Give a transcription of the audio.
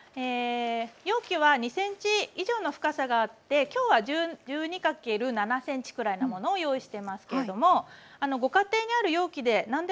容器は２ｃｍ以上の深さがあって今日は１２×７ｃｍくらいのものを用意してますけれどもご家庭にある容器で何でも大丈夫です。